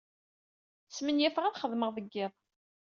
Smenyafeɣ ad xedmeɣ deg yiḍ.